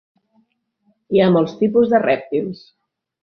Hi ha molts tipus de rèptils.